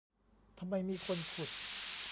ทำไมมีคนขุด